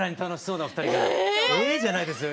⁉「え⁉」じゃないですよ。